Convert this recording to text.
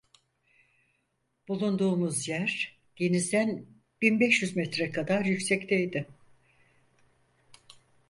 Bulunduğumuz yer, denizden bin beş yüz metre kadar yüksekte idi.